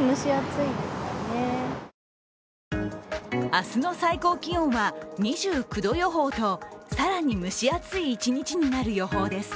明日の最高気温は２９度予報と、更に蒸し暑い一日になる予報です。